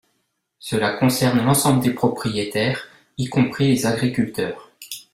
Cela concerne l’ensemble des propriétaires, y compris les agriculteurs.